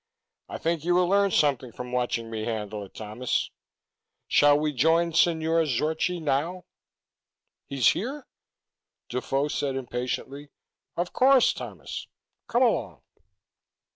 I think you will learn something from watching me handle it, Thomas. Shall we join Signore Zorchi now?" "He's here?" Defoe said impatiently, "Of course, Thomas. Come along."